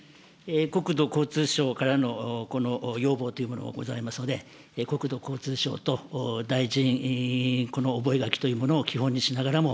国土交通省からのこの要望というものがございますので、国土交通省と大臣覚書というものを基本にしながらも、